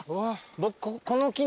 僕。